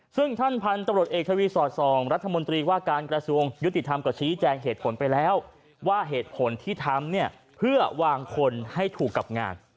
ซึ่งท่านพันธุ์ตำรวจเอกทวีสอดส่องรัฐมนตรีว่าการกระทรวงยุติธรรมก็ชี้แจงเหตุผลไปแล้วว่าเหตุผลที่ทำเนี่ยเพื่อวางคนให้ถูกกับงาน